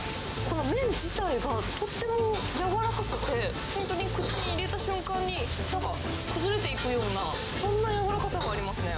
この麺自体が、とっても柔らかくて、本当に口に入れた瞬間に、なんか崩れていくような、そんな柔らかさがありますね。